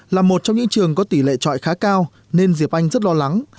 là một trong những trường có tỷ lệ trọi khá cao nên diệp anh rất lo lắng